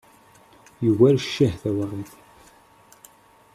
Yugar cceh, tawaɣit.